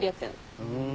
ふん。